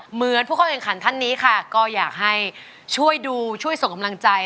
เหมือนผู้เข้าแข่งขันท่านนี้ค่ะก็อยากให้ช่วยดูช่วยส่งกำลังใจ